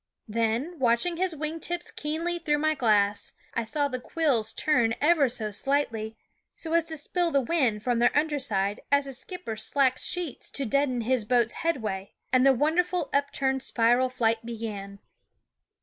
Then, watching his wing tips keenly through my y yr glass, I saw the quills turn ever so slightly, so as to spill the wind from their underside, as a skipper slacks sheets to deaden his boat's headway, and the wonderful upward spiral flight began.